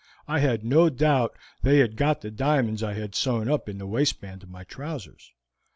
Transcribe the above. I had no doubt they had got the diamonds I had sewn up in the waistband of my trousers.